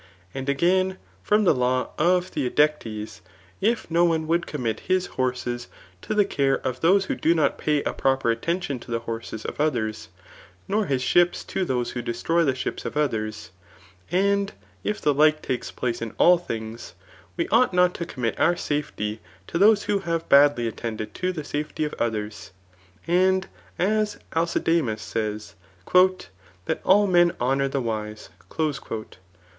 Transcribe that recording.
And again, from the law of Theodectes, if no one would commit his horses to the care of those who do not pay a proper attention to the horses of others, nor his ships to those who destroy the ships of others, and if the like takes place in all things, we ought not to commit our safety to those who have badly attended to the safety of others. And as Alcidamas says, "That all men honour the wise."